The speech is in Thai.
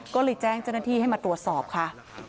ก็เลยแจ้งเจ้าหน้าที่ให้มาตรวจสอบค่ะ